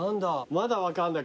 まだ分かんない